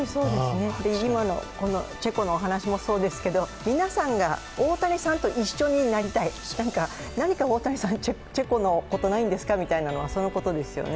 今のチェコのお話もそうですけど、皆さんが大谷さんと一緒になりたい何か大谷さん、チェコのことないですかというのはそのことですよね。